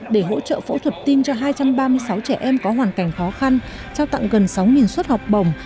để hỗ trợ phẫu thuật tim cho hai trăm ba mươi sáu trẻ em có hoàn cảnh khó khăn trao tặng gần sáu suất học bổng